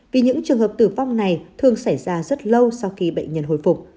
vì những trường hợp tử vong này thường xảy ra rất lâu sau khi bệnh nhân hồi phục